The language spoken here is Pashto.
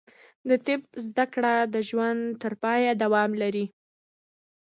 د طب زده کړه د ژوند تر پایه دوام لري.